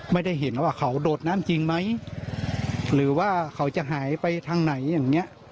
ไม่ได้เห็นว่าเขาโดดน้ำจริงไหมหรือว่าเขาจะหายไปทางไหนอย่างเงี้ย